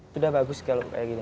sudah bagus kalau kayak gini